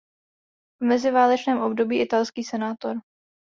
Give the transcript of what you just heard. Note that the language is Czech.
V meziválečném období italský senátor.